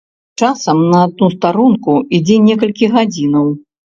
Часам на адну старонку ідзе некалькі гадзінаў.